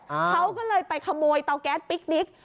เขาก็เลยไปขโมยเตาแก๊สปิ๊กนิก